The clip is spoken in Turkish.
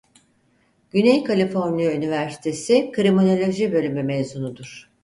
Güney Kaliforniya Üniversitesi Kriminoloji Bölümü mezunudur.